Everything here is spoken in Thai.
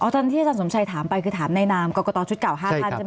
อ๋อตอนที่อาจารย์สมชัยถามไปคือถามในลงน้ำกรกตชุดเก่า๕คนใช่ไหมครับ